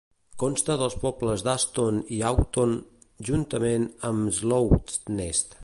Consta dels pobles d'Aston i Aughton, juntament amb Swallownest.